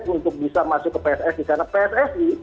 untuk bisa masuk ke pssi karena pssi